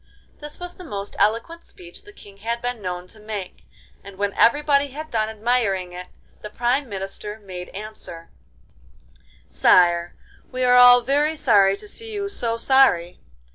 This was the most eloquent speech the King had been known to make, and when everybody had done admiring it the Prime Minister made answer: 'Sire, we are all very sorry to see you so sorry.